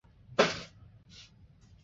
琉科忒亚是希腊神话中一个宁芙。